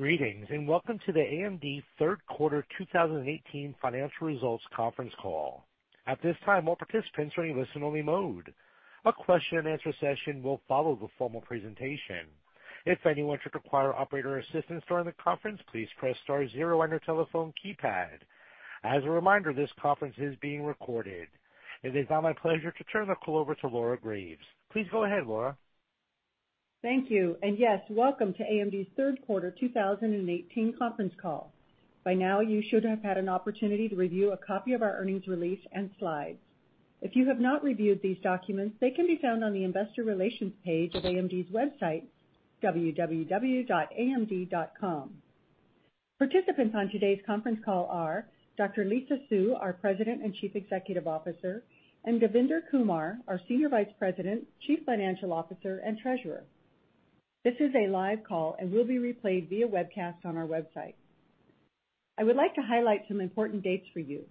Greetings, welcome to the AMD third quarter 2018 financial results conference call. At this time, all participants are in listen-only mode. A question-and-answer session will follow the formal presentation. If anyone should require operator assistance during the conference, please press star zero on your telephone keypad. As a reminder, this conference is being recorded. It is now my pleasure to turn the call over to Laura Graves. Please go ahead, Laura. Thank you. Yes, welcome to AMD's third quarter 2018 conference call. By now, you should have had an opportunity to review a copy of our earnings release and slides. If you have not reviewed these documents, they can be found on the investor relations page of www.amd.com. Participants on today's conference call are Dr. Lisa Su, our President and Chief Executive Officer, Devinder Kumar, our Senior Vice President, Chief Financial Officer, and Treasurer. This is a live call and will be replayed via webcast on our website. I would like to highlight some important dates for you.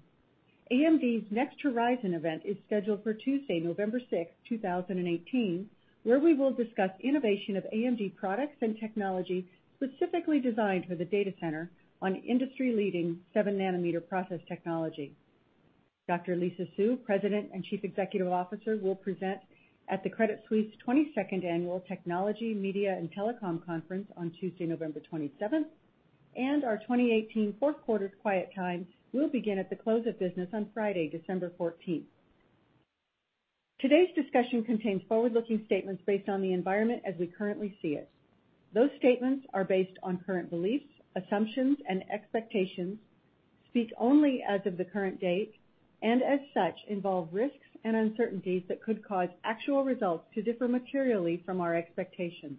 AMD's Next Horizon event is scheduled for Tuesday, November 6th, 2018, where we will discuss innovation of AMD products and technology specifically designed for the data center on industry-leading seven nanometer process technology. Dr. Lisa Su, President and Chief Executive Officer, will present at the Credit Suisse 22nd Annual Technology Media and Telecom Conference on Tuesday, November 27th. Our 2018 fourth quarter quiet time will begin at the close of business on Friday, December 14th. Today's discussion contains forward-looking statements based on the environment as we currently see it. Those statements are based on current beliefs, assumptions, and expectations, speak only as of the current date, and as such, involve risks and uncertainties that could cause actual results to differ materially from our expectations.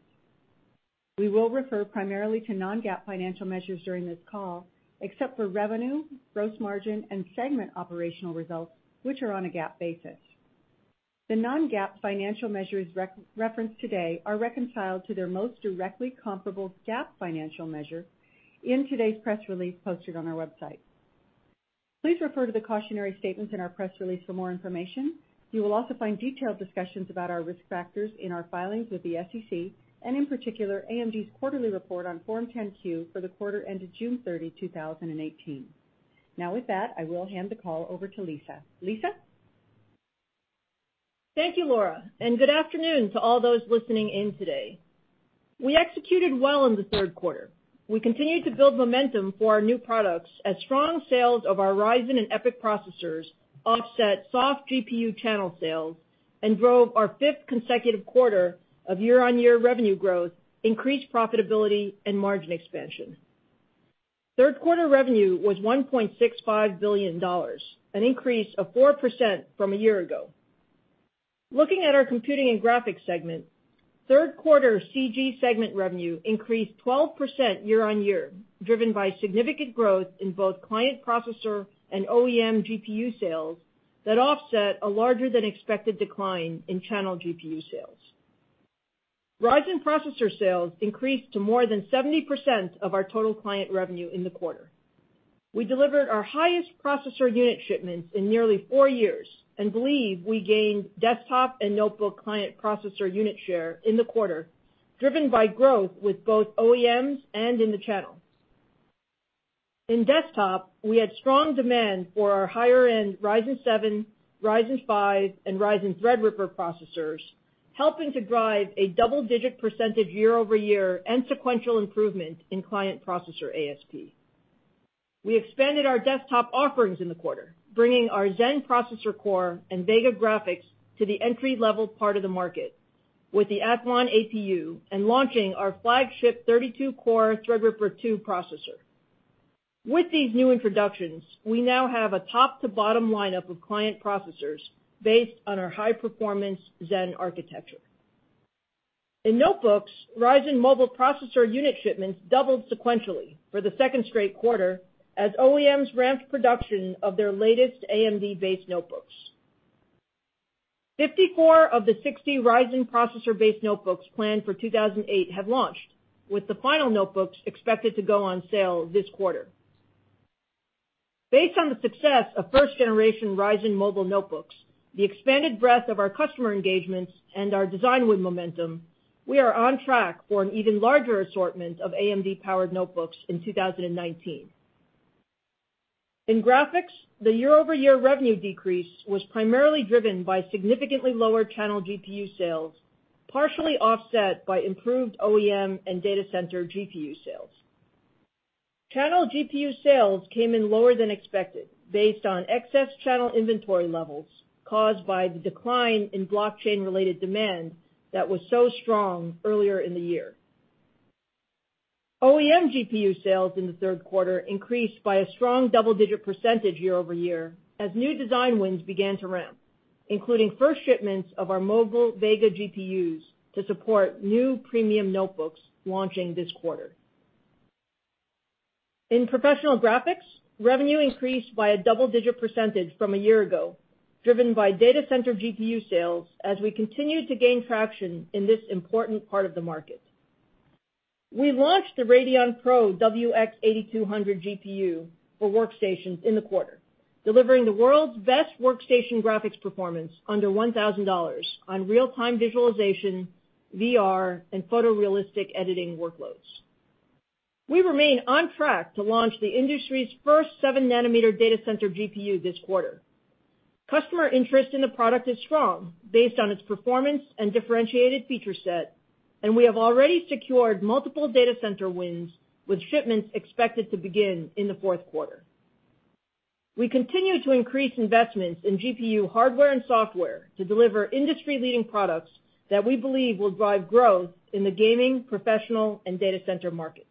We will refer primarily to non-GAAP financial measures during this call, except for revenue, gross margin, and segment operational results, which are on a GAAP basis. The non-GAAP financial measures referenced today are reconciled to their most directly comparable GAAP financial measure in today's press release posted on our website. Please refer to the cautionary statements in our press release for more information. You will also find detailed discussions about our risk factors in our filings with the SEC, and in particular, AMD's quarterly report on Form 10-Q for the quarter ended June 30, 2018. Now with that, I will hand the call over to Lisa. Lisa? Thank you, Laura, and good afternoon to all those listening in today. We executed well in the third quarter. We continued to build momentum for our new products as strong sales of our Ryzen and EPYC processors offset soft GPU channel sales and drove our fifth consecutive quarter of year-on-year revenue growth, increased profitability, and margin expansion. Third quarter revenue was $1.65 billion, an increase of 4% from a year ago. Looking at our computing and graphics segment, third quarter CG segment revenue increased 12% year-on-year, driven by significant growth in both client processor and OEM GPU sales that offset a larger than expected decline in channel GPU sales. Ryzen processor sales increased to more than 70% of our total client revenue in the quarter. We delivered our highest processor unit shipments in nearly four years and believe we gained desktop and notebook client processor unit share in the quarter, driven by growth with both OEMs and in the channel. In desktop, we had strong demand for our higher-end Ryzen 7, Ryzen 5, and Ryzen Threadripper processors, helping to drive a double-digit percentage year-over-year and sequential improvement in client processor ASP. We expanded our desktop offerings in the quarter, bringing our Zen processor core and Vega graphics to the entry-level part of the market with the Athlon APU and launching our flagship 32-core Threadripper 2 processor. With these new introductions, we now have a top-to-bottom lineup of client processors based on our high-performance Zen architecture. In notebooks, Ryzen Mobile processor unit shipments doubled sequentially for the second straight quarter as OEMs ramped production of their latest AMD-based notebooks. 54 of the 60 Ryzen processor-based notebooks planned for 2018 have launched, with the final notebooks expected to go on sale this quarter. Based on the success of first-generation Ryzen Mobile notebooks, the expanded breadth of our customer engagements, and our design win momentum, we are on track for an even larger assortment of AMD-powered notebooks in 2019. In graphics, the year-over-year revenue decrease was primarily driven by significantly lower channel GPU sales, partially offset by improved OEM and data center GPU sales. Channel GPU sales came in lower than expected based on excess channel inventory levels caused by the decline in blockchain-related demand that was so strong earlier in the year. OEM GPU sales in the third quarter increased by a strong double-digit percentage year-over-year as new design wins began to ramp, including first shipments of our mobile Vega GPUs to support new premium notebooks launching this quarter. In professional graphics, revenue increased by a double-digit percentage from a year ago, driven by data center GPU sales as we continued to gain traction in this important part of the market. We launched the Radeon Pro WX 8200 GPU for workstations in the quarter, delivering the world's best workstation graphics performance under $1,000 on real-time visualization, VR, and photorealistic editing workloads. We remain on track to launch the industry's first seven nanometer data center GPU this quarter. Customer interest in the product is strong based on its performance and differentiated feature set, and we have already secured multiple data center wins with shipments expected to begin in the fourth quarter. We continue to increase investments in GPU, hardware and software to deliver industry-leading products that we believe will drive growth in the gaming, professional, and data center markets.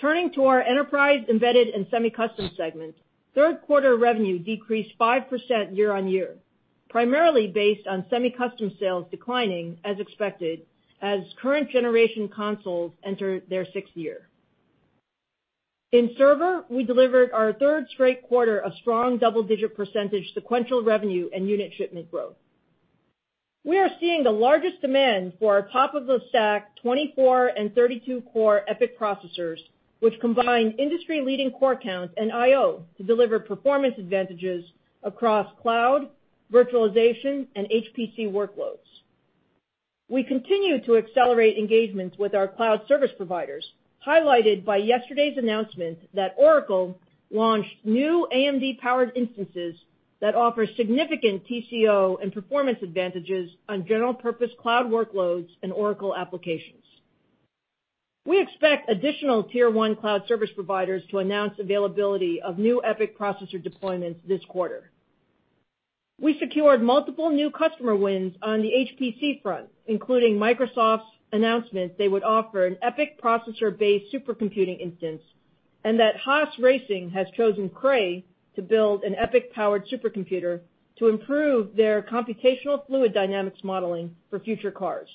Turning to our enterprise embedded and semi-custom segment. Third quarter revenue decreased 5% year-on-year, primarily based on semi-custom sales declining as expected as current generation consoles enter their sixth year. In server, we delivered our third straight quarter of strong double-digit percentage sequential revenue and unit shipment growth. We are seeing the largest demand for our top-of-the-stack 24 and 32-core EPYC processors, which combine industry-leading core counts and I/O to deliver performance advantages across cloud, virtualization, and HPC workloads. We continue to accelerate engagements with our cloud service providers, highlighted by yesterday's announcement that Oracle launched new AMD-powered instances that offer significant TCO and performance advantages on general purpose cloud workloads and Oracle applications. We expect additional tier 1 cloud service providers to announce availability of new EPYC processor deployments this quarter. We secured multiple new customer wins on the HPC front, including Microsoft's announcement they would offer an EPYC processor-based supercomputing instance, and that Haas Racing has chosen Cray to build an EPYC-powered supercomputer to improve their computational fluid dynamics modeling for future cars.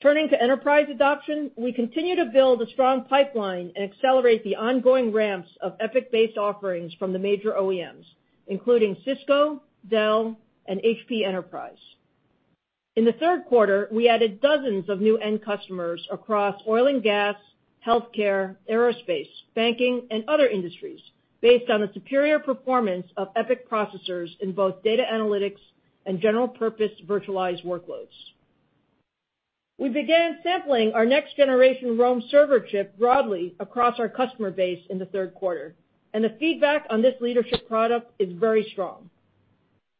Turning to enterprise adoption, we continue to build a strong pipeline and accelerate the ongoing ramps of EPYC-based offerings from the major OEMs, including Cisco, Dell, and HP Enterprise. In the third quarter, we added dozens of new end customers across oil and gas, healthcare, aerospace, banking, and other industries based on the superior performance of EPYC processors in both data analytics and general purpose virtualized workloads. We began sampling our next generation Rome server chip broadly across our customer base in the third quarter, and the feedback on this leadership product is very strong.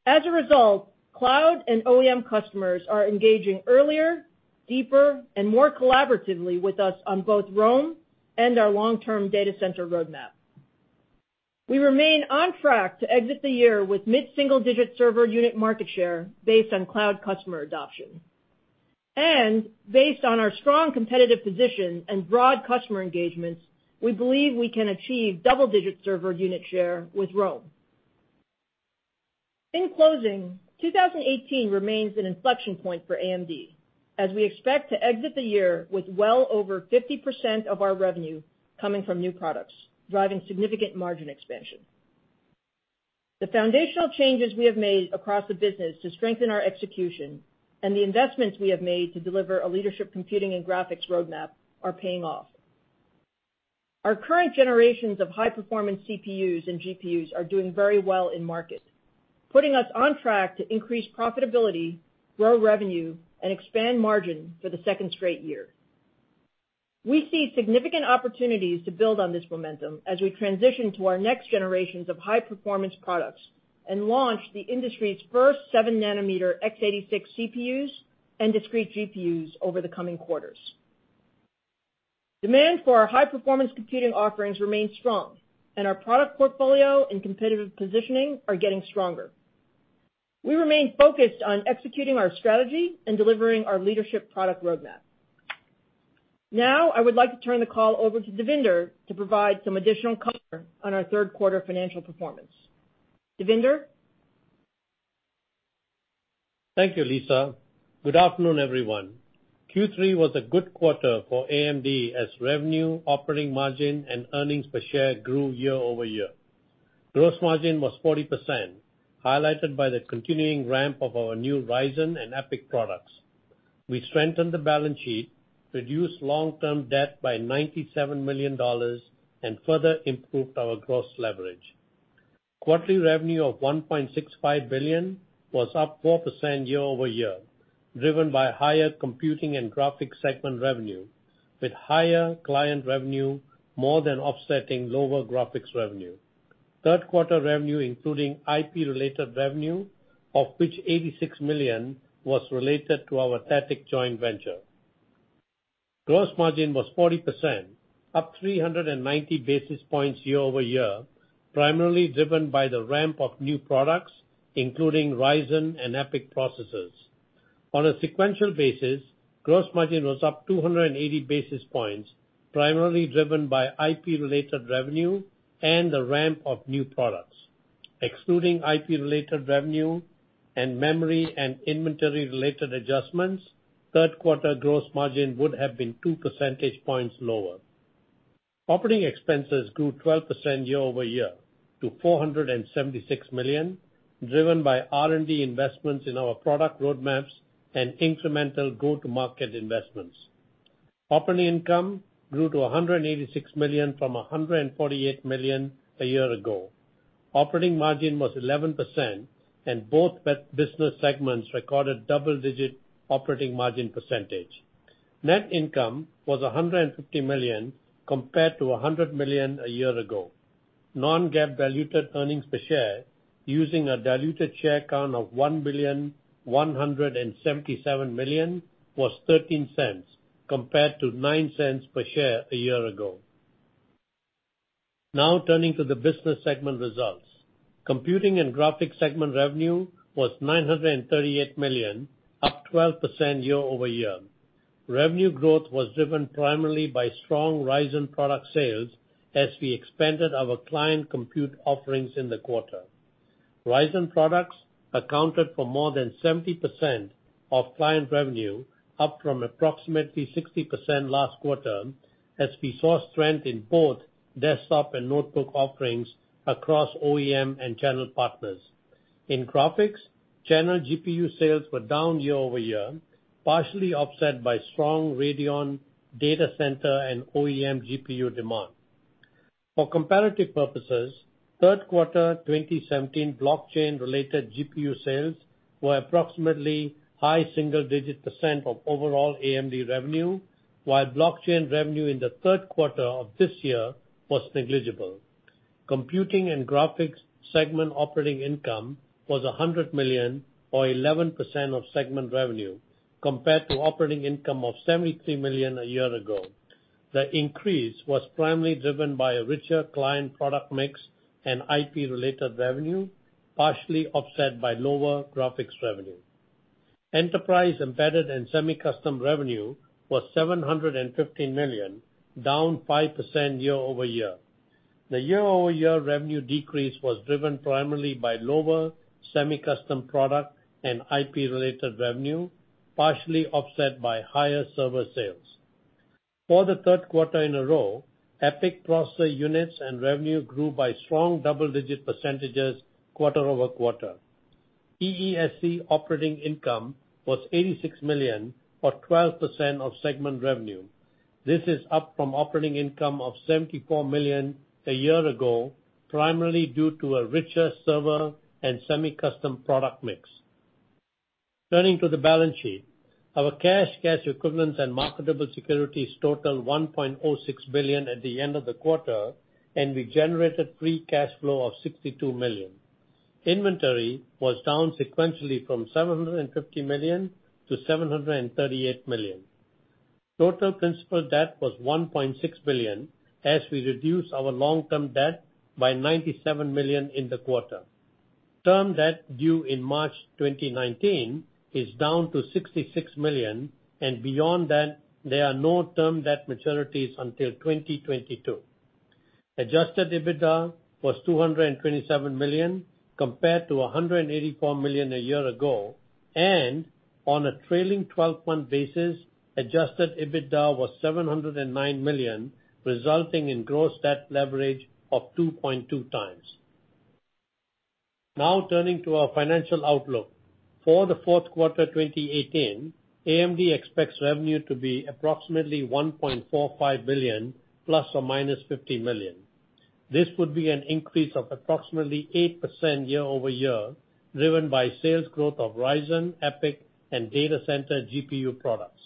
As a result, cloud and OEM customers are engaging earlier, deeper, and more collaboratively with us on both Rome and our long-term data center roadmap. We remain on track to exit the year with mid-single-digit server unit market share based on cloud customer adoption. Based on our strong competitive position and broad customer engagements, we believe we can achieve double-digit server unit share with Rome. In closing, 2018 remains an inflection point for AMD as we expect to exit the year with well over 50% of our revenue coming from new products, driving significant margin expansion. The foundational changes we have made across the business to strengthen our execution and the investments we have made to deliver a leadership computing and graphics roadmap are paying off. Our current generations of high-performance CPUs and GPUs are doing very well in market, putting us on track to increase profitability, grow revenue, and expand margin for the second straight year. We see significant opportunities to build on this momentum as we transition to our next generations of high-performance products and launch the industry's first seven nanometer x86 CPUs and discrete GPUs over the coming quarters. Demand for our high-performance computing offerings remains strong, and our product portfolio and competitive positioning are getting stronger. We remain focused on executing our strategy and delivering our leadership product roadmap. Now, I would like to turn the call over to Devinder to provide some additional color on our third quarter financial performance. Devinder? Thank you, Lisa. Good afternoon, everyone. Q3 was a good quarter for AMD as revenue, operating margin, and earnings per share grew year-over-year. Gross margin was 40%, highlighted by the continuing ramp of our new Ryzen and EPYC products. We strengthened the balance sheet, reduced long-term debt by $97 million, and further improved our gross leverage. Quarterly revenue of $1.65 billion was up 4% year-over-year, driven by higher Computing and Graphics segment revenue, with higher client revenue more than offsetting lower graphics revenue. Third quarter revenue including IP-related revenue, of which $86 million was related to our THATIC joint venture. Gross margin was 40%, up 390 basis points year-over-year, primarily driven by the ramp of new products, including Ryzen and EPYC processors. On a sequential basis, gross margin was up 280 basis points, primarily driven by IP-related revenue and the ramp of new products. Excluding IP-related revenue and memory and inventory-related adjustments, third quarter gross margin would have been two percentage points lower. Operating expenses grew 12% year-over-year to $476 million, driven by R&D investments in our product roadmaps and incremental go-to-market investments. Operating income grew to $186 million from $148 million a year ago. Operating margin was 11%, and both business segments recorded double-digit operating margin percentage. Net income was $150 million compared to $100 million a year ago. Non-GAAP diluted earnings per share using a diluted share count of 1,177 million was $0.13 compared to $0.09 per share a year ago. Now turning to the business segment results. Computing and Graphics segment revenue was $938 million, up 12% year-over-year. Revenue growth was driven primarily by strong Ryzen product sales as we expanded our client compute offerings in the quarter. Ryzen products accounted for more than 70% of client revenue, up from approximately 60% last quarter as we saw strength in both desktop and notebook offerings across OEM and channel partners. In graphics, channel GPU sales were down year-over-year, partially offset by strong Radeon data center and OEM GPU demand. For comparative purposes, third quarter 2017 blockchain-related GPU sales were approximately high single-digit % of overall AMD revenue, while blockchain revenue in the third quarter of this year was negligible. Computing and Graphics segment operating income was $100 million, or 11% of segment revenue, compared to operating income of $73 million a year ago. The increase was primarily driven by a richer client product mix and IP-related revenue, partially offset by lower graphics revenue. Enterprise, Embedded, and Semi-Custom revenue was $715 million, down 5% year-over-year. The year-over-year revenue decrease was driven primarily by lower semi-custom product and IP-related revenue, partially offset by higher server sales. For the third quarter in a row, EPYC processor units and revenue grew by strong double-digit % quarter-over-quarter. EESC operating income was $86 million, or 12% of segment revenue. This is up from operating income of $74 million a year ago, primarily due to a richer server and semi-custom product mix. Turning to the balance sheet. Our cash equivalents, and marketable securities totaled $1.06 billion at the end of the quarter, and we generated free cash flow of $62 million. Inventory was down sequentially from $750 million to $738 million. Total principal debt was $1.6 billion, as we reduced our long-term debt by $97 million in the quarter. Term debt due in March 2019 is down to $66 million, and beyond that, there are no term debt maturities until 2022. Adjusted EBITDA was $227 million, compared to $184 million a year ago, and on a trailing 12-month basis, adjusted EBITDA was $709 million, resulting in gross debt leverage of 2.2 times. Turning to our financial outlook. For the fourth quarter 2018, AMD expects revenue to be approximately $1.45 billion ±$50 million. This would be an increase of approximately 8% year-over-year, driven by sales growth of Ryzen, EPYC, and data center GPU products.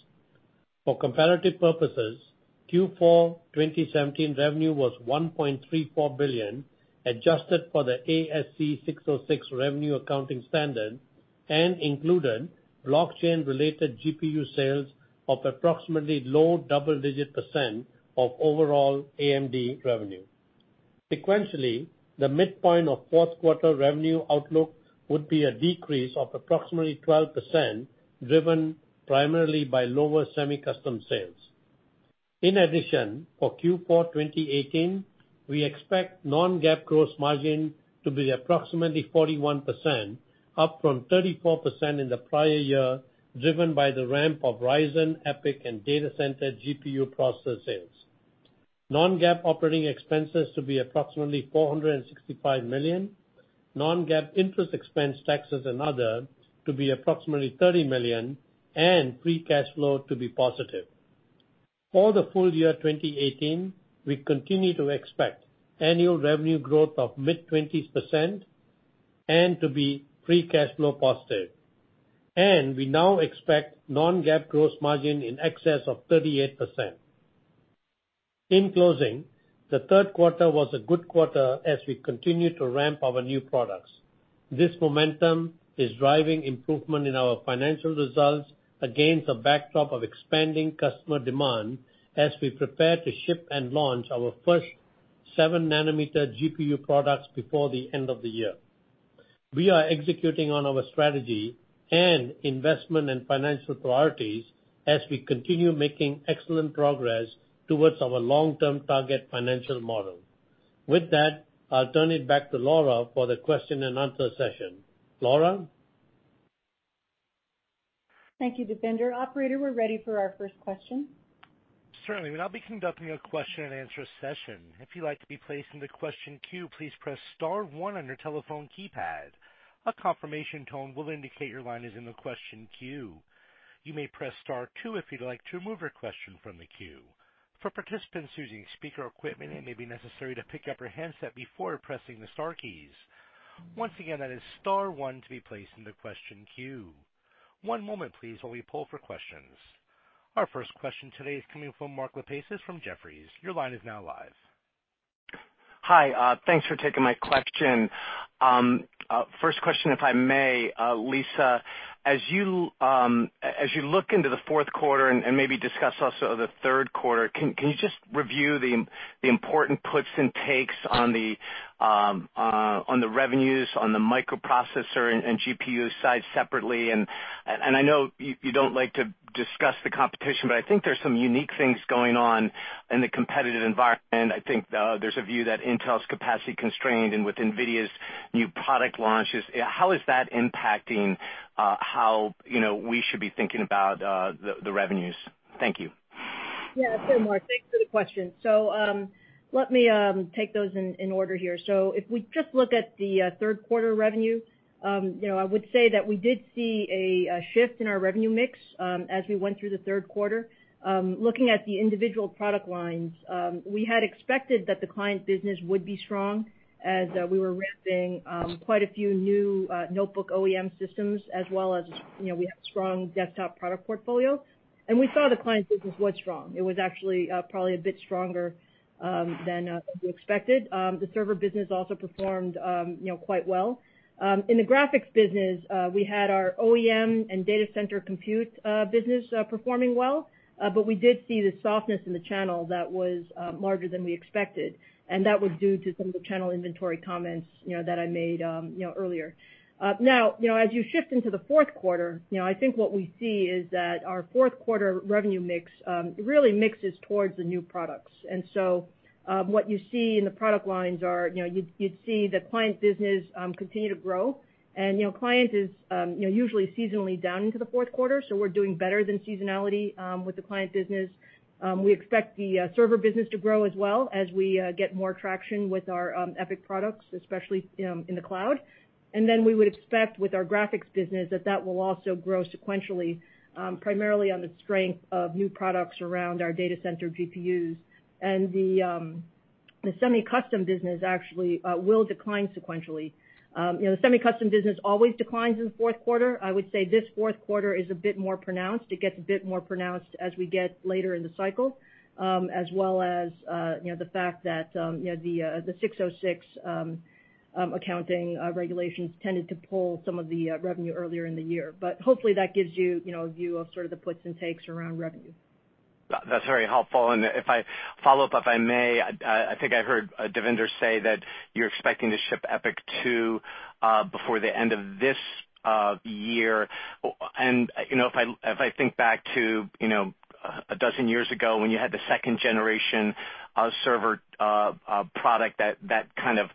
For comparative purposes, Q4 2017 revenue was $1.34 billion, adjusted for the ASC 606 revenue accounting standard and included blockchain-related GPU sales of approximately low double-digit % of overall AMD revenue. Sequentially, the midpoint of fourth quarter revenue outlook would be a decrease of approximately 12%, driven primarily by lower semi-custom sales. For Q4 2018, we expect non-GAAP gross margin to be approximately 41%, up from 34% in the prior year, driven by the ramp of Ryzen, EPYC, and data center GPU processor sales. Non-GAAP operating expenses to be approximately $465 million, non-GAAP interest expense, taxes, and other to be approximately $30 million, and free cash flow to be positive. For the full year 2018, we continue to expect annual revenue growth of mid-20s % and to be free cash flow positive, and we now expect non-GAAP gross margin in excess of 38%. The third quarter was a good quarter as we continue to ramp our new products. This momentum is driving improvement in our financial results against a backdrop of expanding customer demand as we prepare to ship and launch our first seven-nanometer GPU products before the end of the year. We are executing on our strategy and investment and financial priorities as we continue making excellent progress towards our long-term target financial model. With that, I'll turn it back to Laura for the question and answer session. Laura? Thank you, Devinder. Operator, we're ready for our first question. Certainly. We'll now be conducting a question and answer session. If you'd like to be placed in the question queue, please press star one on your telephone keypad. A confirmation tone will indicate your line is in the question queue. You may press star two if you'd like to remove your question from the queue. For participants using speaker equipment, it may be necessary to pick up your handset before pressing the star keys. Once again, that is star one to be placed in the question queue. One moment please while we pull for questions. Our first question today is coming from Mark Lipacis from Jefferies. Your line is now live. Hi. Thanks for taking my question. First question, if I may. Lisa, as you look into the fourth quarter and maybe discuss also the third quarter, can you just review the important puts and takes on the revenues on the microprocessor and GPU side separately? I know you don't like to discuss the competition, but I think there's some unique things going on in the competitive environment. I think there's a view that Intel's capacity constrained and with NVIDIA's new product launches. How is that impacting how we should be thinking about the revenues? Thank you. Sure, Mark. Thanks for the question. Let me take those in order here. If we just look at the third quarter revenue, I would say that we did see a shift in our revenue mix as we went through the third quarter. Looking at the individual product lines, we had expected that the client business would be strong as we were ramping quite a few new notebook OEM systems as well as we have strong desktop product portfolio. We saw the client business was strong. It was actually probably a bit stronger than we expected. The server business also performed quite well. In the graphics business, we had our OEM and data center compute business performing well, but we did see the softness in the channel that was larger than we expected, and that was due to some of the channel inventory comments that I made earlier. Now, as you shift into the fourth quarter, I think what we see is that our fourth quarter revenue mix really mixes towards the new products. What you see in the product lines are you'd see the client business continue to grow and client is usually seasonally down into the fourth quarter, so we're doing better than seasonality with the client business. We expect the server business to grow as well as we get more traction with our EPYC products, especially in the cloud. We would expect with our graphics business that that will also grow sequentially, primarily on the strength of new products around our data center GPUs. The semi-custom business actually will decline sequentially. The semi-custom business always declines in the fourth quarter. I would say this fourth quarter is a bit more pronounced. It gets a bit more pronounced as we get later in the cycle, as well as the fact that the 606 accounting regulations tended to pull some of the revenue earlier in the year. Hopefully that gives you a view of sort of the puts and takes around revenue. That's very helpful. If I follow up, if I may, I think I heard Devinder say that you're expecting to ship EPYC 2 before the end of this year. If I think back to 12 years ago when you had the second generation server product that kind of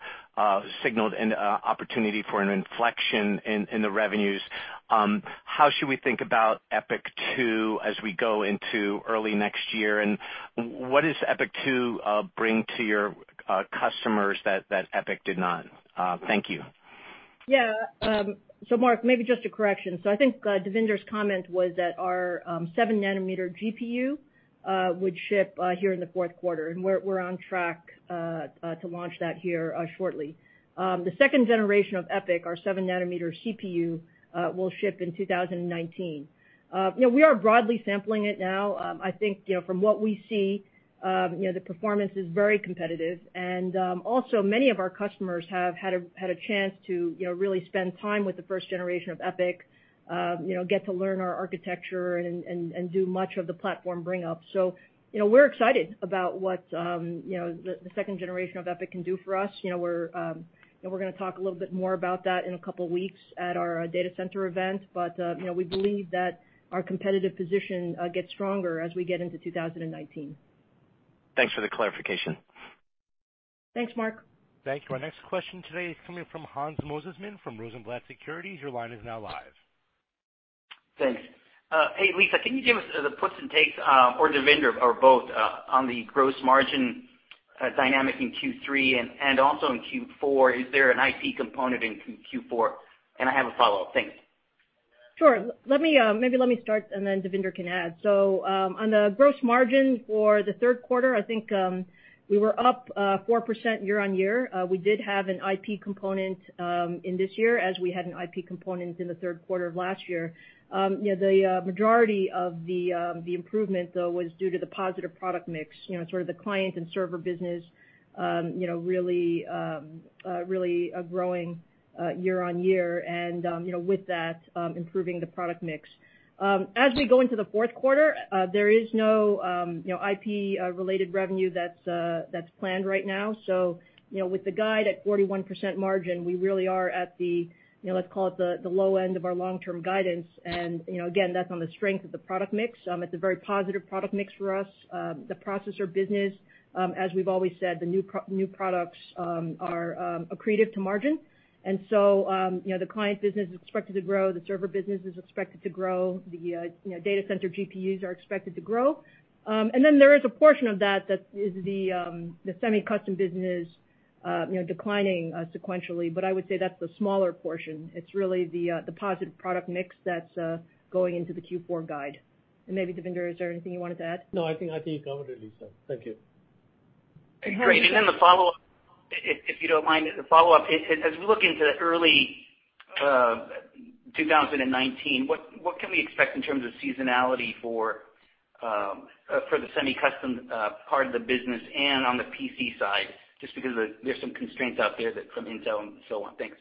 signaled an opportunity for an inflection in the revenues, how should we think about EPYC 2 as we go into early next year, what does EPYC 2 bring to your customers that EPYC did not? Thank you. Mark, maybe just a correction. I think Devinder's comment was that our seven nanometer GPU would ship here in the fourth quarter, we're on track to launch that here shortly. The second generation of EPYC, our seven nanometer CPU, will ship in 2019. We are broadly sampling it now. I think from what we see, the performance is very competitive and also many of our customers have had a chance to really spend time with the first generation of EPYC, get to learn our architecture and do much of the platform bring up. We're excited about what the second generation of EPYC can do for us. We're going to talk a little bit more about that in a couple of weeks at our data center event. We believe that our competitive position gets stronger as we get into 2019. Thanks for the clarification. Thanks, Mark. Thank you. Our next question today is coming from Hans Mosesmann from Rosenblatt Securities. Your line is now live. Thanks. Hey, Lisa, can you give us the puts and takes, or Devinder or both, on the gross margin dynamic in Q3 and also in Q4? Is there an IP component in Q4? I have a follow-up. Thanks. Sure. Maybe let me start, then Devinder can add. On the gross margin for the third quarter, I think we were up 4% year-over-year. We did have an IP component in this year as we had an IP component in the third quarter of last year. The majority of the improvement, though, was due to the positive product mix, sort of the client and server business really growing year-over-year and with that, improving the product mix. As we go into the fourth quarter, there is no IP-related revenue that's planned right now. With the guide at 41% margin, we really are at the, let's call it, the low end of our long-term guidance. Again, that's on the strength of the product mix. It's a very positive product mix for us. The processor business, as we've always said, the new products are accretive to margin. The client business is expected to grow. The server business is expected to grow. The data center GPUs are expected to grow. There is a portion of that that is the semi-custom business declining sequentially, but I would say that's the smaller portion. It's really the positive product mix that's going into the Q4 guide. Maybe Devinder, is there anything you wanted to add? No, I think you covered it, Lisa. Thank you. Okay. Great. The follow-up, if you don't mind, the follow-up, as we look into early 2019, what can we expect in terms of seasonality for the semi-custom part of the business and on the PC side? Just because there's some constraints out there from Intel and so on. Thanks.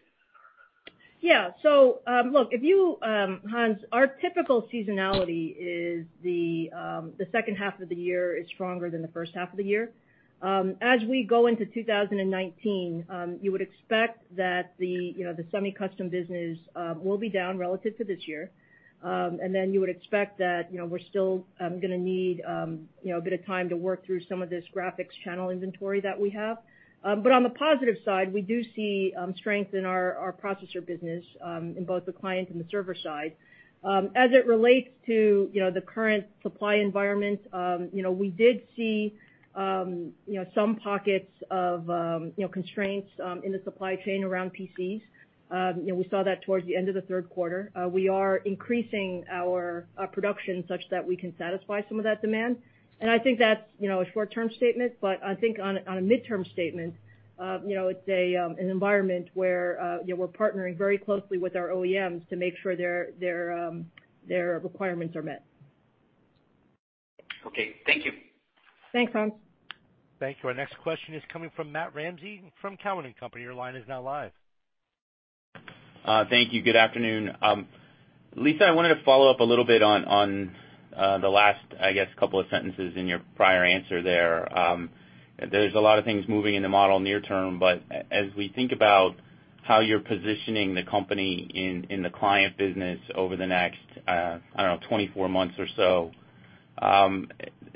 Yeah. Look, Hans, our typical seasonality is the second half of the year is stronger than the first half of the year. As we go into 2019, you would expect that the semi-custom business will be down relative to this year. You would expect that we're still going to need a bit of time to work through some of this graphics channel inventory that we have. On the positive side, we do see strength in our processor business, in both the client and the server side. As it relates to the current supply environment, we did see some pockets of constraints in the supply chain around PCs. We saw that towards the end of the third quarter. We are increasing our production such that we can satisfy some of that demand. I think that's a short-term statement, but I think on a midterm statement, it's an environment where we're partnering very closely with our OEMs to make sure their requirements are met. Okay. Thank you. Thanks, Hans. Thank you. Our next question is coming from Matthew Ramsay from Cowen and Company. Your line is now live. Thank you. Good afternoon. Lisa, I wanted to follow up a little bit on the last, I guess, couple of sentences in your prior answer there. There's a lot of things moving in the model near term, but as we think about how you're positioning the company in the client business over the next, I don't know, 24 months or so,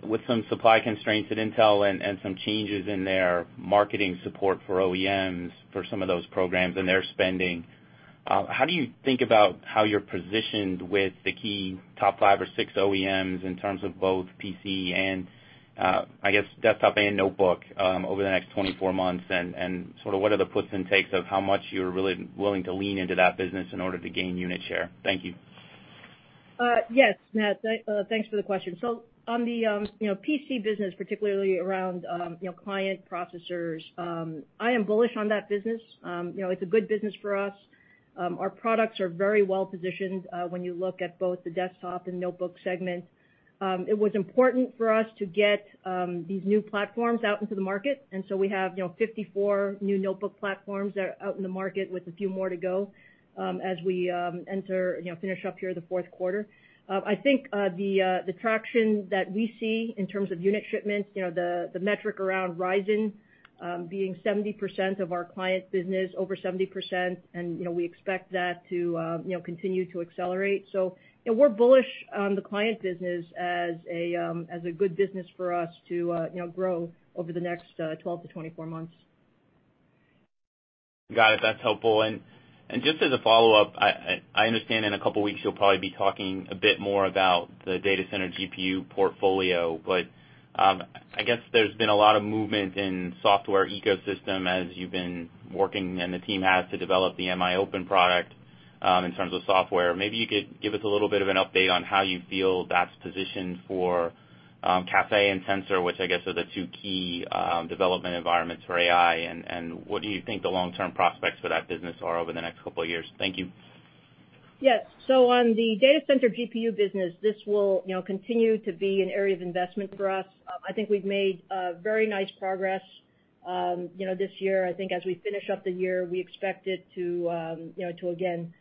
with some supply constraints at Intel and some changes in their marketing support for OEMs for some of those programs and their spending, how do you think about how you're positioned with the key top five or six OEMs in terms of both PC and, I guess, desktop and notebook, over the next 24 months, and sort of what are the puts and takes of how much you're really willing to lean into that business in order to gain unit share? Thank you. Yes, Matt. Thanks for the question. On the PC business, particularly around client processors, I am bullish on that business. It's a good business for us. Our products are very well positioned when you look at both the desktop and notebook segments. It was important for us to get these new platforms out into the market. We have 54 new notebook platforms that are out in the market with a few more to go, as we finish up here the fourth quarter. I think the traction that we see in terms of unit shipments, the metric around Ryzen being 70% of our client business, over 70%, and we expect that to continue to accelerate. We're bullish on the client business as a good business for us to grow over the next 12-24 months. Got it. That's helpful. Just as a follow-up, I understand in a couple of weeks, you'll probably be talking a bit more about the data center GPU portfolio, but I guess there's been a lot of movement in software ecosystem as you've been working, and the team has, to develop the MIOpen product, in terms of software. Maybe you could give us a little bit of an update on how you feel that's positioned for Caffe and Tensor, which I guess are the two key development environments for AI, and what do you think the long-term prospects for that business are over the next couple of years? Thank you. Yes. On the data center GPU business, this will continue to be an area of investment for us. I think we've made very nice progress this year. I think as we finish up the year, we expect it to, again,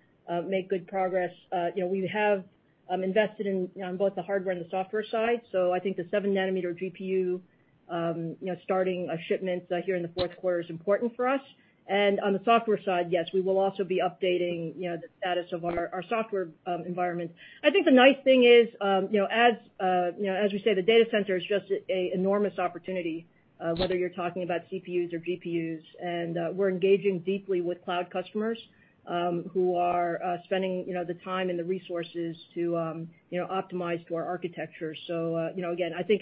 make good progress. We have invested in both the hardware and the software side. I think the seven nanometer GPU starting shipments here in the fourth quarter is important for us. On the software side, yes, we will also be updating the status of our software environment. I think the nice thing is, as we say, the data center is just an enormous opportunity, whether you're talking about CPUs or GPUs, and we're engaging deeply with cloud customers, who are spending the time and the resources to optimize to our architecture. Again, I think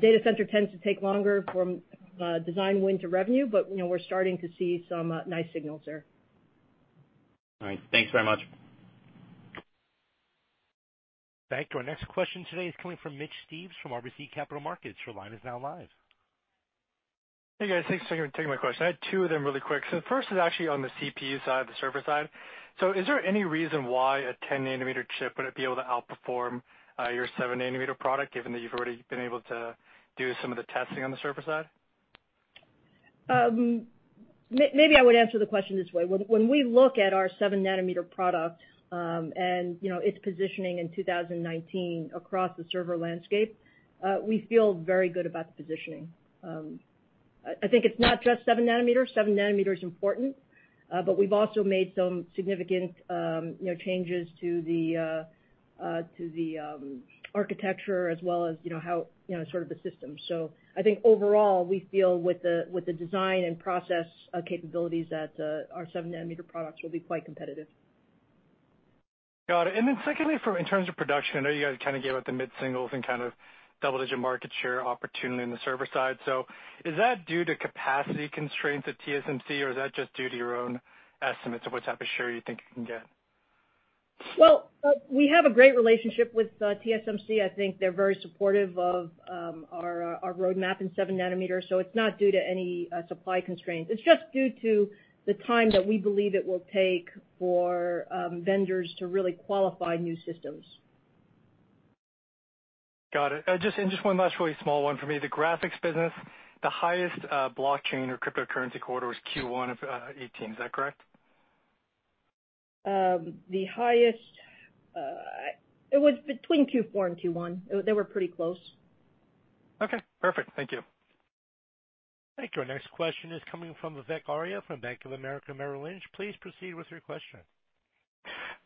data center tends to take longer from design win to revenue, but we're starting to see some nice signals there. All right. Thanks very much. Thank you. Our next question today is coming from Mitch Steves from RBC Capital Markets. Your line is now live. Hey, guys. Thanks for taking my question. I had two of them really quick. The first is actually on the CPU side, the server side. Is there any reason why a 10 nanometer chip wouldn't be able to outperform your seven nanometer product, given that you've already been able to do some of the testing on the server side? Maybe I would answer the question this way. When we look at our 7 nanometer product, and its positioning in 2019 across the server landscape, we feel very good about the positioning. I think it's not just 7 nanometer. 7 nanometer is important, we've also made some significant changes to the architecture as well as sort of the system. I think overall, we feel with the design and process capabilities that our 7 nanometer products will be quite competitive. Got it. Secondly, in terms of production, I know you guys gave out the mid-singles and double-digit market share opportunity on the server side. Is that due to capacity constraints at TSMC, or is that just due to your own estimates of what type of share you think you can get? We have a great relationship with TSMC. I think they're very supportive of our roadmap in 7 nanometers, it's not due to any supply constraints. It's just due to the time that we believe it will take for vendors to really qualify new systems. Got it. Just one last really small one for me. The graphics business, the highest blockchain or cryptocurrency quarter was Q1 of 2018. Is that correct? The highest, it was between Q4 and Q1. They were pretty close. Okay, perfect. Thank you. Thank you. Our next question is coming from Vivek Arya from Bank of America Merrill Lynch. Please proceed with your question.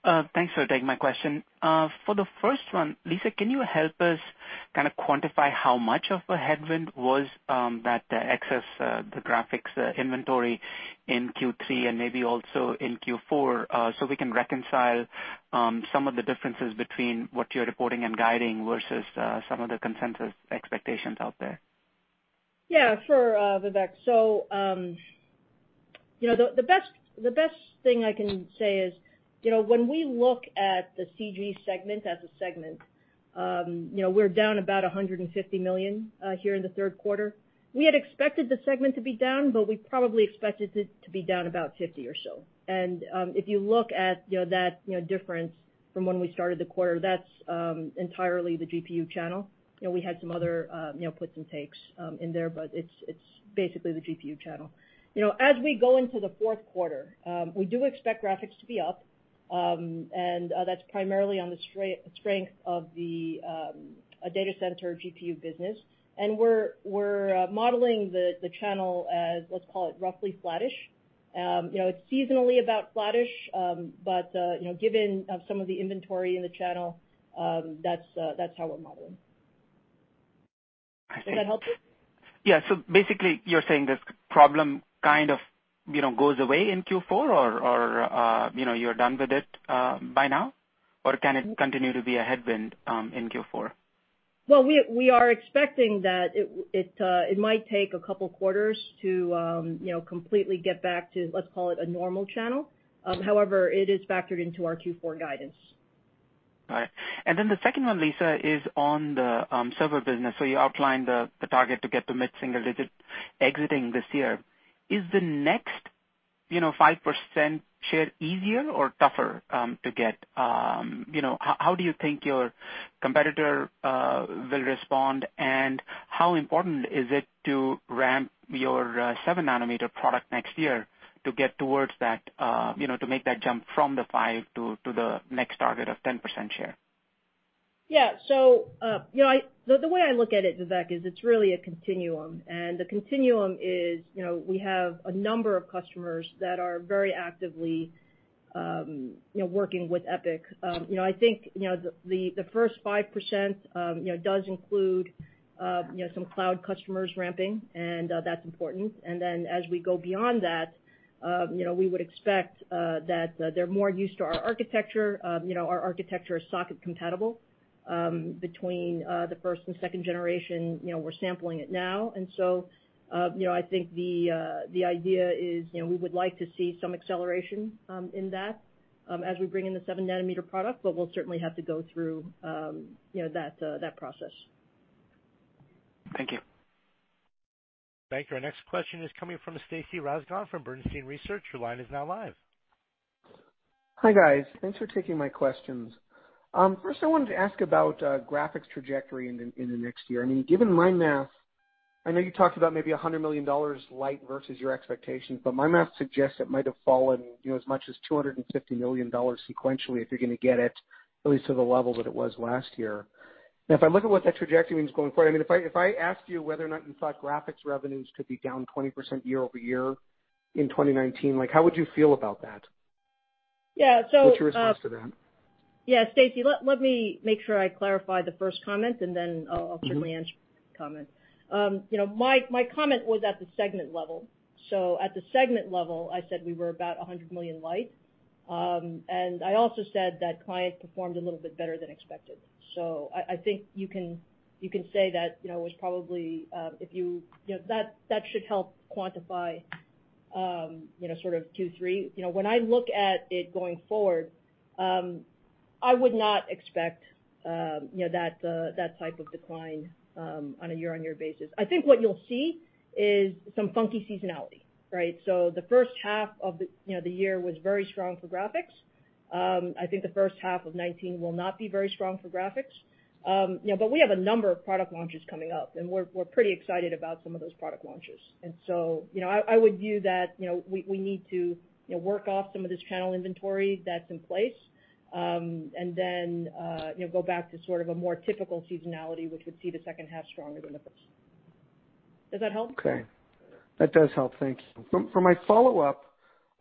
Thanks for taking my question. For the first one, Lisa, can you help us quantify how much of a headwind was that excess, the graphics inventory in Q3 and maybe also in Q4 so we can reconcile some of the differences between what you're reporting and guiding versus some of the consensus expectations out there? Yeah, sure, Vivek. The best thing I can say is, when we look at the CG segment as a segment, we're down about $150 million here in the third quarter. We had expected the segment to be down, but we probably expected it to be down about $50 or so. If you look at that difference from when we started the quarter, that's entirely the GPU channel. We had some other puts and takes in there, but it's basically the GPU channel. As we go into the fourth quarter, we do expect graphics to be up, and that's primarily on the strength of the data center GPU business, and we're modeling the channel as, let's call it, roughly flattish. It's seasonally about flattish, but given some of the inventory in the channel, that's how we're modeling. Does that help you? Yeah. Basically, you're saying this problem goes away in Q4, or you're done with it by now? Can it continue to be a headwind in Q4? Well, we are expecting that it might take a couple of quarters to completely get back to, let's call it, a normal channel. However, it is factored into our Q4 guidance. All right. Then the second one, Lisa, is on the server business. You outlined the target to get to mid-single digit exiting this year. Is the next 5% share easier or tougher to get? How do you think your competitor will respond, and how important is it to ramp your seven-nanometer product next year to make that jump from the five to the next target of 10% share? Yeah. The way I look at it, Vivek, is it's really a continuum, and the continuum is we have a number of customers that are very actively working with EPYC. I think the first 5% does include some cloud customers ramping, and that's important. Then as we go beyond that, we would expect that they're more used to our architecture. Our architecture is socket compatible between the first and second generation. We're sampling it now. I think the idea is we would like to see some acceleration in that as we bring in the seven-nanometer product, but we'll certainly have to go through that process. Thank you. Thank you. Our next question is coming from Stacy Rasgon from Bernstein Research. Your line is now live. Hi, guys. Thanks for taking my questions. First, I wanted to ask about graphics trajectory in the next year. Given my math, I know you talked about maybe $100 million light versus your expectations, but my math suggests it might have fallen as much as $250 million sequentially if you're going to get it at least to the level that it was last year. If I look at what that trajectory means going forward, if I asked you whether or not you thought graphics revenues could be down 20% year-over-year in 2019, how would you feel about that? Yeah. What's your response to that? Stacy, let me make sure I clarify the first comment, then I'll certainly answer your second comment. My comment was at the segment level. At the segment level, I said we were about $100 million light. I also said that client performed a little bit better than expected. I think you can say that should help quantify sort of Q3. When I look at it going forward, I would not expect that type of decline on a year-on-year basis. I think what you'll see is some funky seasonality. Right? The first half of the year was very strong for graphics. I think the first half of 2019 will not be very strong for graphics. We have a number of product launches coming up, and we're pretty excited about some of those product launches. I would view that we need to work off some of this channel inventory that's in place, then go back to sort of a more typical seasonality, which would see the second half stronger than the first. Does that help? Okay. That does help. Thank you. For my follow-up,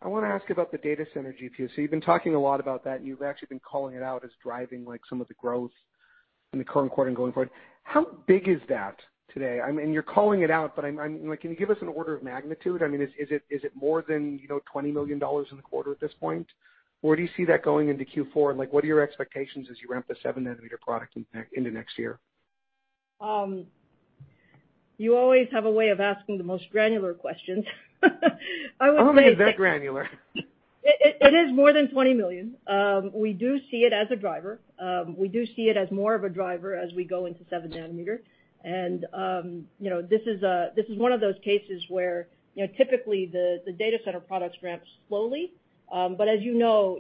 I want to ask about the data center GPU. You've been talking a lot about that, you've actually been calling it out as driving some of the growth In the current quarter and going forward, how big is that today? You're calling it out, but can you give us an order of magnitude? Is it more than $20 million in the quarter at this point? Where do you see that going into Q4, and what are your expectations as you ramp the 7 nanometer product into next year? You always have a way of asking the most granular questions. I would say it's I only get that granular. It is more than $20 million. We do see it as a driver. We do see it as more of a driver as we go into 7 nanometer. This is one of those cases where typically the data center products ramp slowly. As you know,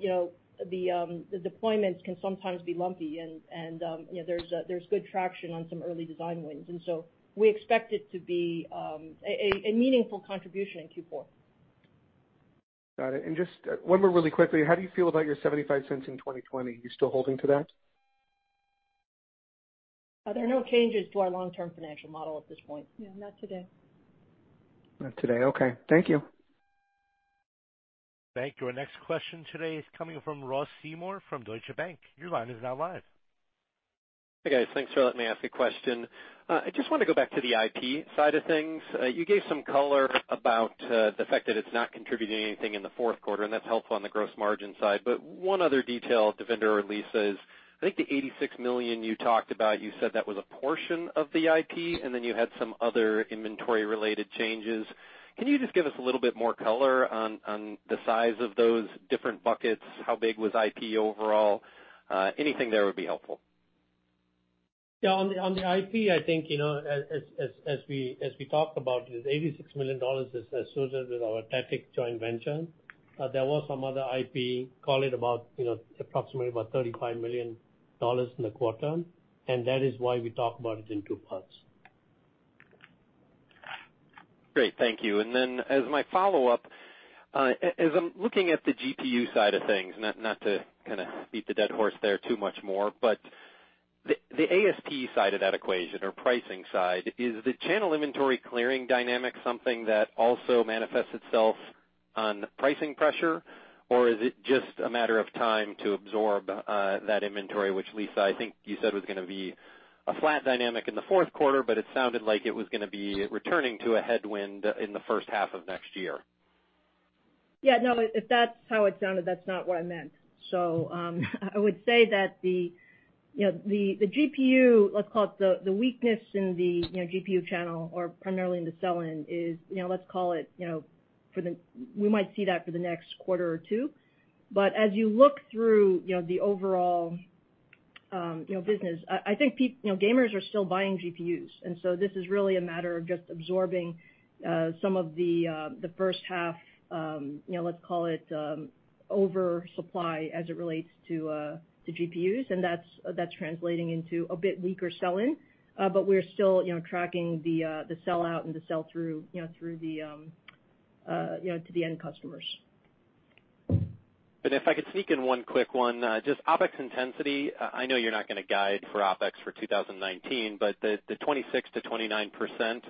the deployments can sometimes be lumpy, and there's good traction on some early design wins. We expect it to be a meaningful contribution in Q4. Got it. Just one more really quickly. How do you feel about your $0.75 in 2020? You still holding to that? There are no changes to our long-term financial model at this point. Yeah, not today. Not today. Okay. Thank you. Thank you. Our next question today is coming from Ross Seymore from Deutsche Bank. Your line is now live. Hey, guys. Thanks for letting me ask a question. I just want to go back to the IP side of things. You gave some color about the fact that it's not contributing anything in the fourth quarter, and that's helpful on the gross margin side. One other detail, Devinder or Lisa, is I think the $86 million you talked about, you said that was a portion of the IP, and then you had some other inventory-related changes. Can you just give us a little bit more color on the size of those different buckets? How big was IP overall? Anything there would be helpful. Yeah, on the IP, I think as we talked about, this $86 million is associated with our THATIC joint venture. There was some other IP, call it approximately about $35 million in the quarter. That is why we talk about it in two parts. Great. Thank you. As my follow-up, as I'm looking at the GPU side of things, not to beat the dead horse there too much more, the ASP side of that equation or pricing side, is the channel inventory clearing dynamic something that also manifests itself on pricing pressure, or is it just a matter of time to absorb that inventory, which, Lisa, I think you said was going to be a flat dynamic in the fourth quarter, but it sounded like it was going to be returning to a headwind in the first half of next year. Yeah, no. If that's how it sounded, that's not what I meant. I would say that the weakness in the GPU channel or primarily in the sell-in is, let's call it, we might see that for the next quarter or two. As you look through the overall business, I think gamers are still buying GPUs, this is really a matter of just absorbing some of the first half oversupply as it relates to GPUs, and that's translating into a bit weaker sell-in. We're still tracking the sell-out and the sell-through to the end customers. If I could sneak in one quick one. Just OpEx intensity, I know you're not going to guide for OpEx for 2019, the 26%-29%,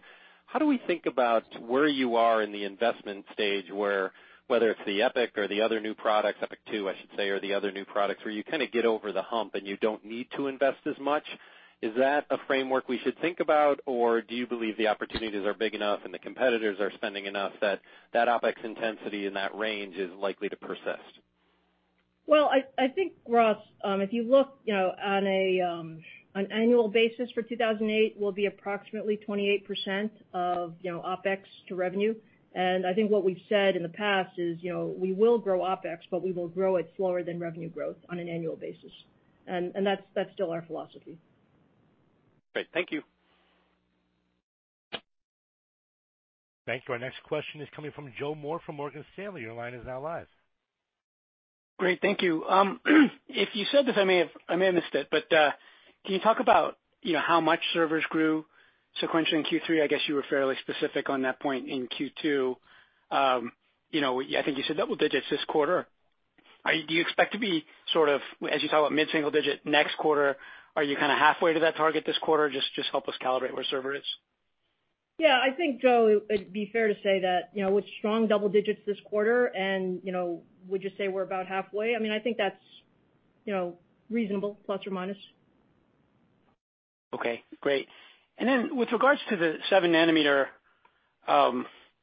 how do we think about where you are in the investment stage, where whether it's the EPYC or the other new products, EPYC 2, I should say, or the other new products, where you get over the hump and you don't need to invest as much? Is that a framework we should think about, do you believe the opportunities are big enough and the competitors are spending enough that that OpEx intensity in that range is likely to persist? Well, I think, Ross, if you look on an annual basis for 2018 will be approximately 28% of OpEx to revenue. I think what we've said in the past is we will grow OpEx, we will grow it slower than revenue growth on an annual basis. That's still our philosophy. Great. Thank you. Thank you. Our next question is coming from Joseph Moore from Morgan Stanley. Your line is now live. Great. Thank you. If you said this, I may have missed it, but can you talk about how much servers grew sequentially in Q3? I guess you were fairly specific on that point in Q2. I think you said double digits this quarter. Do you expect to be sort of, as you talk about mid-single digit next quarter, are you halfway to that target this quarter? Just help us calibrate where server is. Yeah, I think, Joe, it'd be fair to say that with strong double digits this quarter and would you say we're about halfway? I think that's reasonable, plus or minus. Okay. Great. With regards to the seven nanometer, I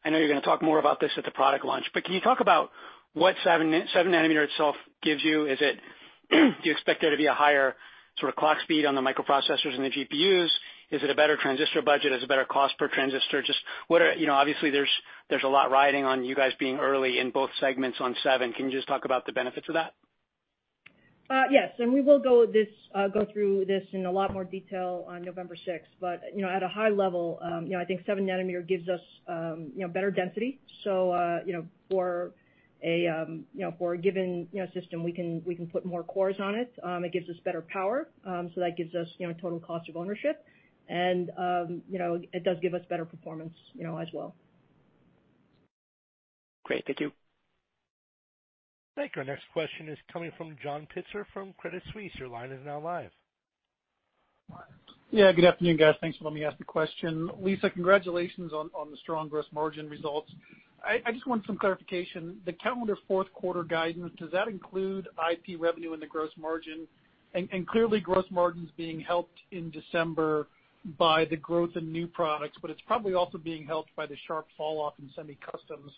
know you're going to talk more about this at the product launch, but can you talk about what seven nanometer itself gives you? Do you expect there to be a higher sort of clock speed on the microprocessors and the GPUs? Is it a better transistor budget? Is it better cost per transistor? Obviously, there's a lot riding on you guys being early in both segments on seven. Can you just talk about the benefits of that? Yes. We will go through this in a lot more detail on November 6th. At a high level, I think 7 nanometer gives us better density. For a given system, we can put more cores on it. It gives us better power, so that gives us total cost of ownership. It does give us better performance as well. Great. Thank you. Thank you. Our next question is coming from John Pitzer from Credit Suisse. Your line is now live. Good afternoon, guys. Thanks for letting me ask the question. Lisa, congratulations on the strong gross margin results. I just want some clarification. The calendar fourth quarter guidance, does that include IP revenue in the gross margin? Clearly, gross margin's being helped in December by the growth in new products, but it's probably also being helped by the sharp falloff in semi-customs.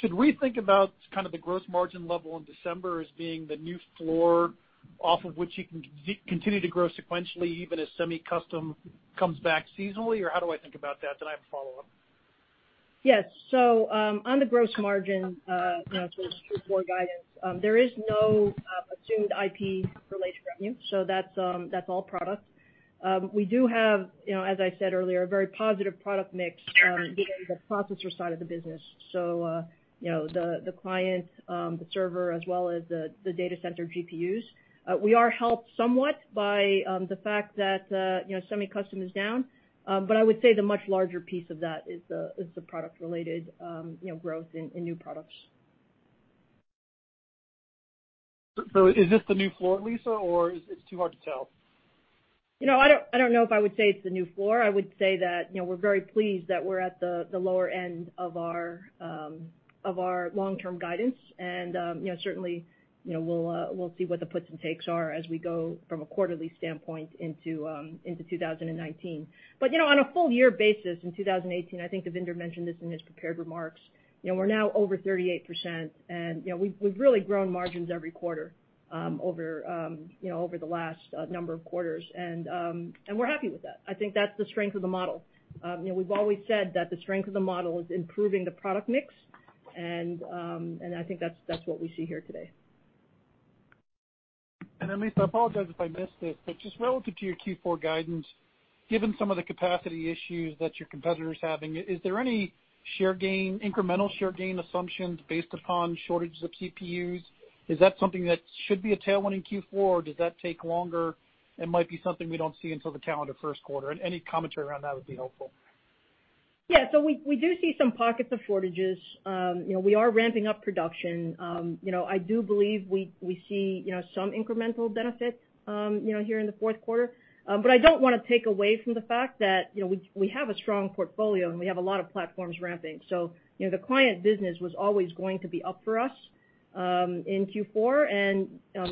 Should we think about the gross margin level in December as being the new floor off of which you can continue to grow sequentially even as semi-custom comes back seasonally? How do I think about that? I have a follow-up. Yes. On the gross margin, for the Q4 guidance, there is no assumed IP-related revenue. That's all product. We do have, as I said earlier, a very positive product mix within the processor side of the business. The client, the server, as well as the data center GPUs. We are helped somewhat by the fact that semi-custom is down. I would say the much larger piece of that is the product-related growth in new products. Is this the new floor, Lisa, or it's too hard to tell? I don't know if I would say it's the new floor. I would say that we're very pleased that we're at the lower end of our long-term guidance. Certainly, we'll see what the puts and takes are as we go from a quarterly standpoint into 2019. On a full year basis in 2018, I think Devinder mentioned this in his prepared remarks, we're now over 38%, and we've really grown margins every quarter over the last number of quarters. We're happy with that. I think that's the strength of the model. We've always said that the strength of the model is improving the product mix, and I think that's what we see here today. Lisa, I apologize if I missed it, but just relative to your Q4 guidance, given some of the capacity issues that your competitor is having, is there any incremental share gain assumptions based upon shortages of CPUs? Is that something that should be a tailwind in Q4, or does that take longer and might be something we don't see until the calendar first quarter? Any commentary around that would be helpful. We do see some pockets of shortages. We are ramping up production. I do believe we see some incremental benefit here in the fourth quarter. I don't want to take away from the fact that we have a strong portfolio, and we have a lot of platforms ramping. The client business was always going to be up for us in Q4.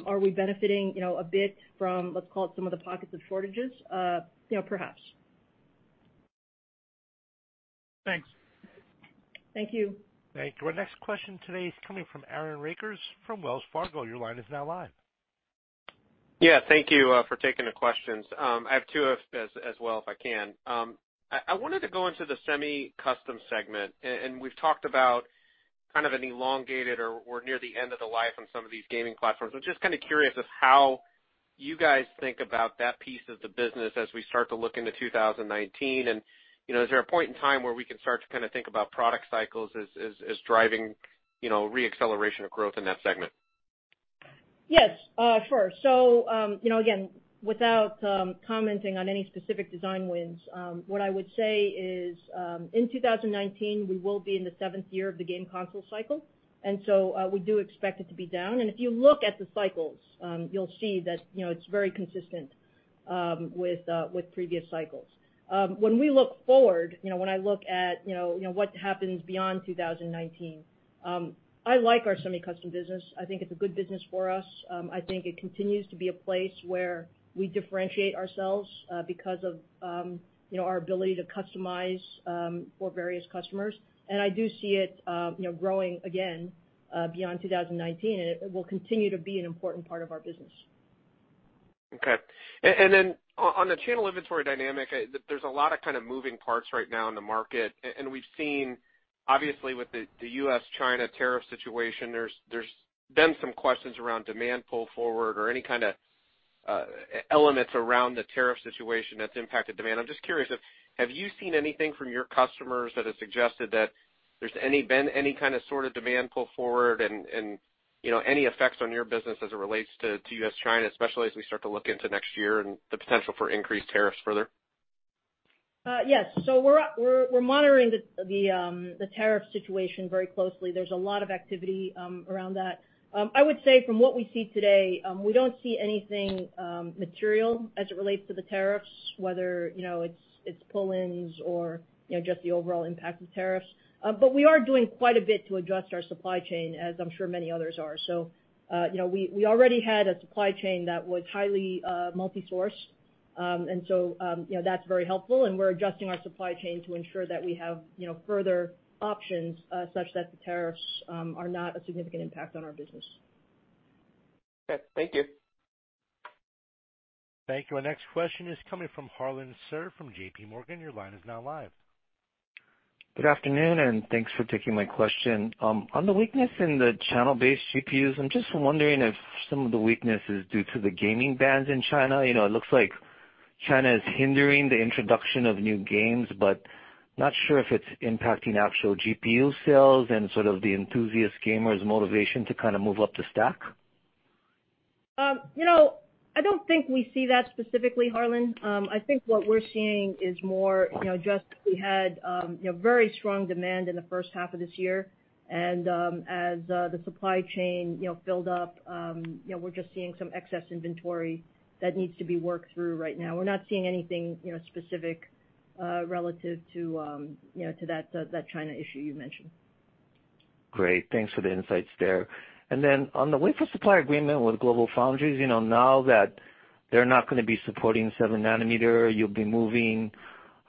Are we benefiting a bit from, let's call it some of the pockets of shortages? Perhaps. Thanks. Thank you. Thank you. Our next question today is coming from Aaron Rakers from Wells Fargo. Your line is now live. Thank you for taking the questions. I have two as well, if I can. I wanted to go into the semi-custom segment, and we've talked about an elongated or near the end of the life on some of these gaming platforms. I'm just curious as how you guys think about that piece of the business as we start to look into 2019. Is there a point in time where we can start to think about product cycles as driving re-acceleration of growth in that segment? Yes. Sure. Again, without commenting on any specific design wins, what I would say is, in 2019, we will be in the seventh year of the game console cycle. We do expect it to be down. If you look at the cycles, you'll see that it's very consistent with previous cycles. When we look forward, when I look at what happens beyond 2019, I like our semi-custom business. I think it's a good business for us. I think it continues to be a place where we differentiate ourselves because of our ability to customize for various customers. I do see it growing again beyond 2019, and it will continue to be an important part of our business. Okay. On the channel inventory dynamic, there's a lot of moving parts right now in the market. We've seen, obviously, with the U.S.-China tariff situation, there's been some questions around demand pull forward or any kind of elements around the tariff situation that's impacted demand. I'm just curious if, have you seen anything from your customers that has suggested that there's been any sort of demand pull forward and any effects on your business as it relates to U.S.-China, especially as we start to look into next year and the potential for increased tariffs further? Yes. We're monitoring the tariff situation very closely. There's a lot of activity around that. I would say from what we see today, we don't see anything material as it relates to the tariffs, whether it's pull-ins or just the overall impact of tariffs. We are doing quite a bit to adjust our supply chain, as I'm sure many others are. We already had a supply chain that was highly multi-source, and so that's very helpful, and we're adjusting our supply chain to ensure that we have further options such that the tariffs are not a significant impact on our business. Okay. Thank you. Thank you. Our next question is coming from Harlan Sur from JP Morgan. Your line is now live. Good afternoon, thanks for taking my question. On the weakness in the channel-based GPUs, I'm just wondering if some of the weakness is due to the gaming bans in China. It looks like China is hindering the introduction of new games, but not sure if it's impacting actual GPU sales and sort of the enthusiast gamers' motivation to move up the stack. I don't think we see that specifically, Harlan. I think what we're seeing is more just we had very strong demand in the first half of this year, as the supply chain filled up, we're just seeing some excess inventory that needs to be worked through right now. We're not seeing anything specific relative to that China issue you mentioned. Great. Thanks for the insights there. Then on the wafer supply agreement with GlobalFoundries, now that they're not going to be supporting seven nanometer, you'll be moving,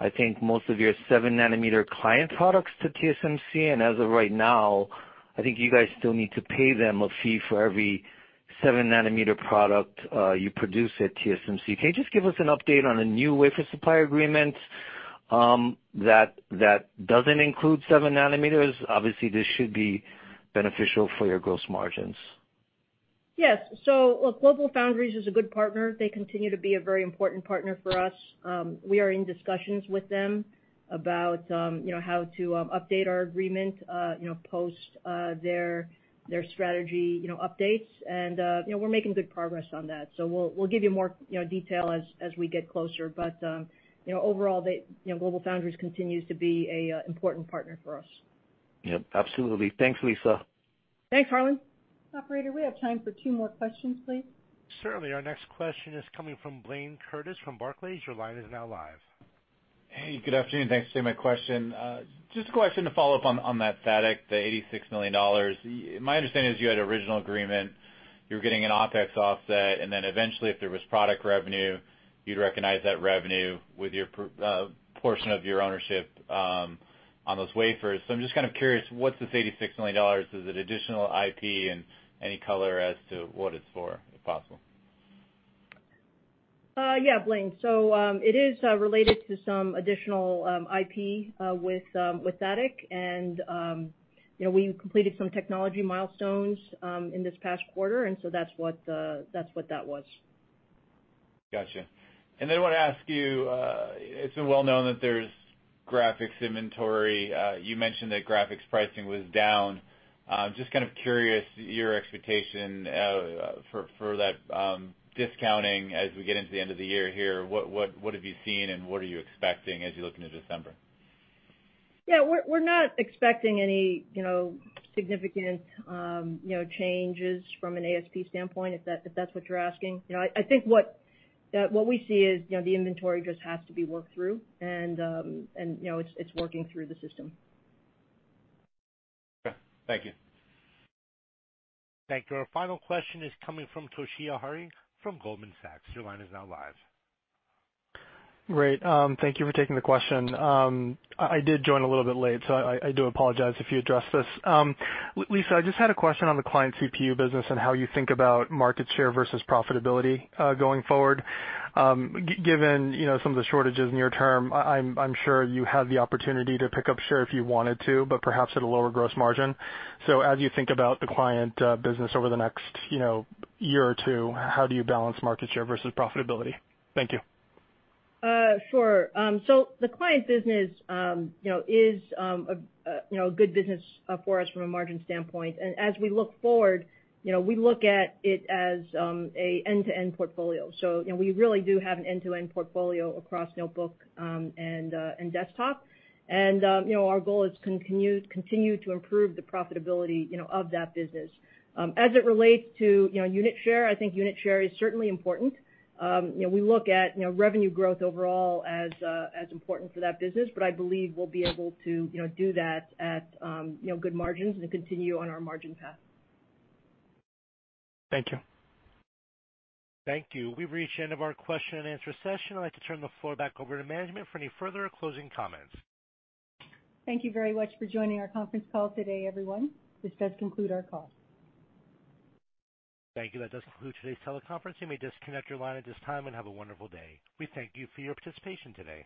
I think, most of your seven nanometer client products to TSMC, as of right now, I think you guys still need to pay them a fee for every seven nanometer product you produce at TSMC. Can you just give us an update on a new wafer supply agreement that doesn't include seven nanometers? Obviously, this should be beneficial for your gross margins. Yes. GlobalFoundries is a good partner. They continue to be a very important partner for us. We are in discussions with them about how to update our agreement post their strategy updates, and we're making good progress on that. We'll give you more detail as we get closer. Overall, GlobalFoundries continues to be a important partner for us. Yep, absolutely. Thanks, Lisa. Thanks, Harlan. Operator, we have time for two more questions, please. Certainly. Our next question is coming from Blayne Curtis from Barclays. Your line is now live. Hey, good afternoon. Thanks for taking my question. Just a question to follow up on that THATIC, the $86 million. My understanding is you had an original agreement. You were getting an OPEX offset. Eventually, if there was product revenue, you'd recognize that revenue with your portion of your ownership on those wafers. I'm just kind of curious, what's this $86 million? Is it additional IP, any color as to what it's for, if possible? Yeah, Blayne. It is related to some additional IP, with THATIC. We completed some technology milestones in this past quarter. That's what that was. Got you. Want to ask you, it's well known that there's graphics inventory. You mentioned that graphics pricing was down. Just kind of curious, your expectation for that discounting as we get into the end of the year here. What have you seen, what are you expecting as you look into December? Yeah. We're not expecting any significant changes from an ASP standpoint, if that's what you're asking. I think what we see is the inventory just has to be worked through, and it's working through the system. Okay. Thank you. Thank you. Our final question is coming from Toshiya Hari from Goldman Sachs. Your line is now live. Great. Thank you for taking the question. I did join a little bit late, so I do apologize if you addressed this. Lisa, I just had a question on the client CPU business and how you think about market share versus profitability, going forward. Given some of the shortages near term, I'm sure you have the opportunity to pick up share if you wanted to, but perhaps at a lower gross margin. As you think about the client business over the next year or two, how do you balance market share versus profitability? Thank you. Sure. The client business is a good business for us from a margin standpoint. As we look forward, we look at it as an end-to-end portfolio. We really do have an end-to-end portfolio across notebook and desktop. Our goal is continue to improve the profitability of that business. As it relates to unit share, I think unit share is certainly important. We look at revenue growth overall as important for that business, but I believe we'll be able to do that at good margins and continue on our margin path. Thank you. Thank you. We've reached the end of our question and answer session. I'd like to turn the floor back over to management for any further closing comments. Thank you very much for joining our conference call today, everyone. This does conclude our call. Thank you. That does conclude today's teleconference. You may disconnect your line at this time, and have a wonderful day. We thank you for your participation today.